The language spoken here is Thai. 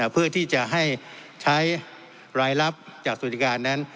เพื่อที่จะให้ใช้รายลับจากสวัสดิการนั้น